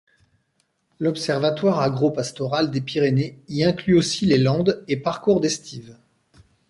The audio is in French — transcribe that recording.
L'Observatoire agro-pastoral des Pyrénées y inclut aussi les landes et parcours d'estive.